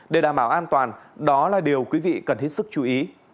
để đảm bảo an toàn đó là điều quý vị cần hết sức chú ý